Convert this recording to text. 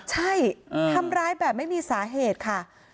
ใช่ทำร้ายแบบไม่มีสาเหตุค่ะ